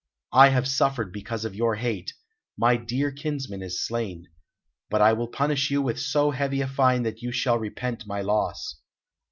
"I have suffered because of your hate my dear kinsman is slain. But I will punish you with so heavy a fine that you shall all repent my loss.